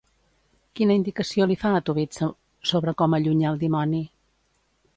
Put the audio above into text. Quina indicació li fa a Tobit sobre com allunyar el dimoni?